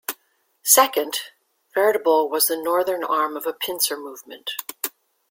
Second, "Veritable" was the northern arm of a pincer movement.